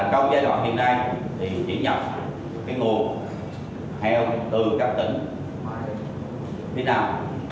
thì chỉ nhập cái nguồn heo từ các tỉnh